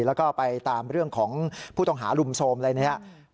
แล้วก็ไปตามเรื่องของผู้ต้องหารุมโทรมอะไรเนี่ย